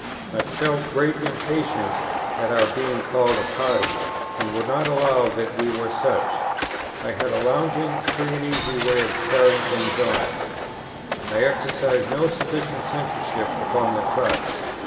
I felt great impatience at our being called a party, and would not allow that we were such. I had a lounging, free and easy way of carrying things on. I exercised no sufficient censorship upon the Tracts.